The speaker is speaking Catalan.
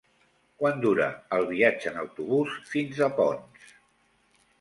Quant dura el viatge en autobús fins a Ponts?